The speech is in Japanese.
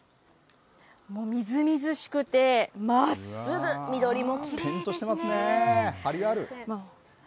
みずみずしくて、まっすぐ、緑も張りがある。